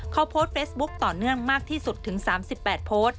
เขาโพสต์เฟซบุ๊คต่อเนื่องมากที่สุดถึง๓๘โพสต์